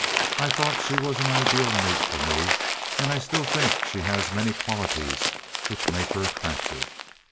I thought she was an ideal mate for me, and I still think she has many qualities which make her attractive.